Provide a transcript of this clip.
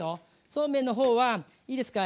そうめんの方はいいですか。